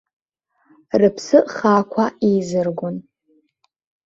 Рыԥсы хаақәа еизыргон.